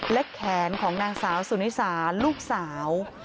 และแขนของนางสาวสุนิสาลูกสาว